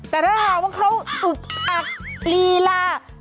แต่ถ้าหากว่าเขาอึกอักลีลา